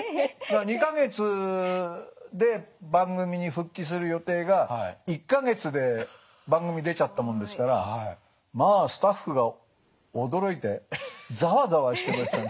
２か月で番組に復帰する予定が１か月で番組に出ちゃったもんですからまあスタッフが驚いてざわざわしてました。